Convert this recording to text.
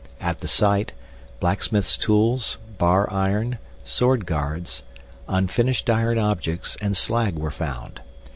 At the site, blacksmith's tools, bar iron, sword guards, unfinished iron objects, and slag were found.